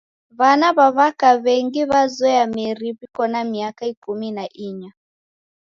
W'ana w'a w'aka w'engi w'azoya meri w'iko na miaka ikumi na inya.